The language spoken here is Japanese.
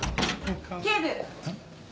警部。